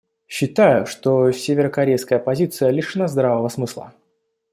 Считаю, что северокорейская позиция лишена здравого смысла.